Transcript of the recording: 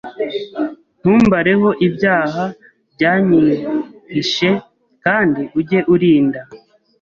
Ntumbareho ibyaha byanyihishe, kandi ujye urinda